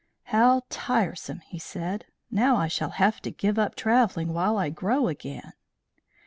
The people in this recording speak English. "How tiresome!" he said. "Now I shall have to give up travelling while I grow again."